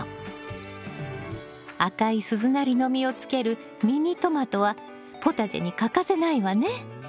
赤い鈴なりの実をつけるミニトマトはポタジェに欠かせないわね。